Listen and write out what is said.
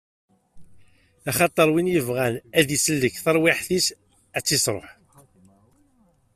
Axaṭer win yebɣan ad isellek taṛwiḥt-is ad tt-isṛuḥ.